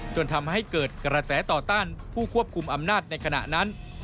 จนทำให้เกิดกระแสต่อต้านผู้ควบคุมอำนาจในขณะนั้น